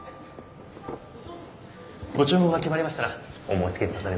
ご注文が決まりましたらお申しつけくださりませ。